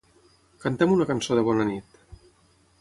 Canta'm una cançó de bona nit.